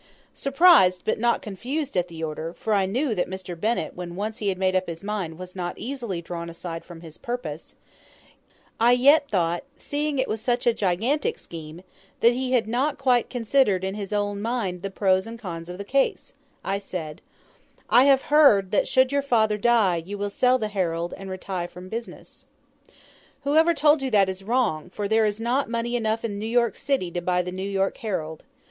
Surprised but not confused at the order for I knew that Mr. Bennett when once he had made up his mind was not easily drawn aside from his purpose I yet thought, seeing it was such a gigantic scheme, that he had not quite considered in his own mind the pros and cons of the case; I said, "I have heard that should your father die you would sell the 'Herald' and retire from business." "Whoever told you that is wrong, for there is not, money enough in New York city to buy the 'New York Herald.'